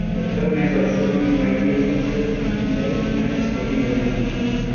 The term has also been widely used in the international sporting arena.